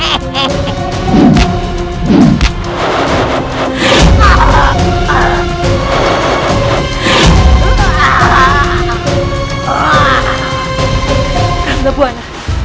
aku harus membantu